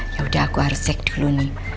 yaudah aku harus cek dulu nih